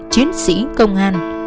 chiến sĩ công an